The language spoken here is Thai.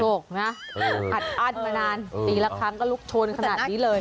กนะอัดอั้นมานานปีละครั้งก็ลุกโชนขนาดนี้เลย